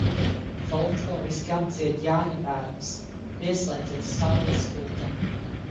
Folkloristi apdzied jāņabērnus. Pieslēdzies Saules kultam!